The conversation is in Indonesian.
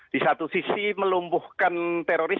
di satu sisi melumpuhkan teroris